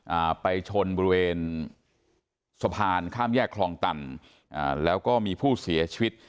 อ่าไปชนบริเวณสะพานข้ามแยกคลองตันอ่าแล้วก็มีผู้เสียชีวิต